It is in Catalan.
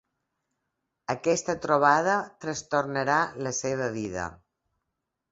Aquesta trobada trastornarà la seva vida.